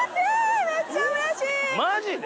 マジで？